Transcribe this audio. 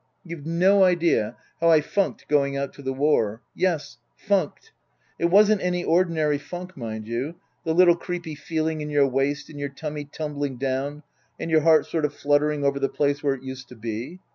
"You've no idea how I funked going out to the war Yes funked. "It wasn't any ordinary funk, mind you, the littl , creepy feeling in your waist, and your tummy tumbling down, and your heart sort of fluttering over the place where it used to be.